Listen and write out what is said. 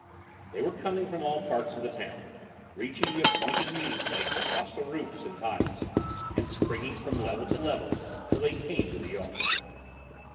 They were coming from all parts of the town, reaching the appointed meeting place across the roofs and tiles, and springing from level to level till they came to the yard.